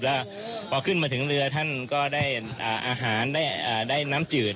แล้วพอขึ้นมาถึงเรือท่านก็ได้อาหารได้น้ำจืด